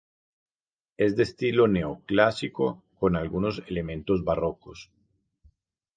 Es de estilo neoclásico con algunos elementos barrocos.